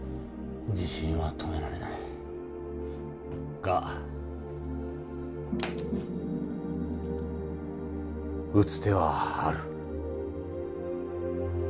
地震は止められないが打つ手はある。